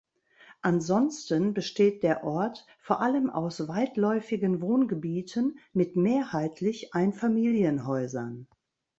Ansonsten besteht der Ort vor allem aus weitläufigen Wohngebieten mit mehrheitlich Einfamilienhäusern.